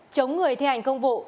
chống người thi hành công vụ